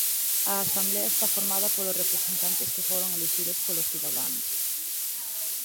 A Asemblea está formada polos representantes que foron elixidos polos cidadáns.